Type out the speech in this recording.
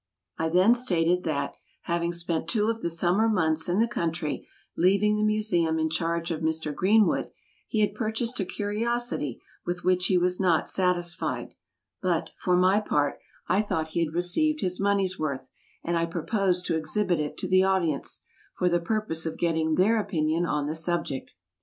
I then stated that, having spent two of the summer months in the country, leaving the Museum in charge of Mr. Greenwood, he had purchased a curiosity with which he was not satisfied; but, for my part, I thought he had received his money's worth, and I proposed to exhibit it to the audience, for the purpose of getting their opinion on the subject.